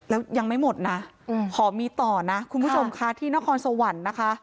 แล้วยังไม่หมดนะขอมีต่อนะคุณผู้ชมค่ะที่นครสวรรค์นะคะ